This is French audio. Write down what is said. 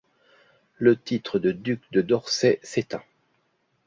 Le titre de duc de Dorset s'éteint.